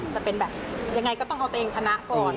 จะเป็นแบบยังไงก็ต้องเอาตัวเองชนะก่อน